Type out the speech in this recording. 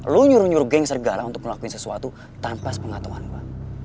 lo nyuruh nyuruh geng sergala untuk ngelakuin sesuatu tanpa sepengatungan gue